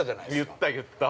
◆言った言った。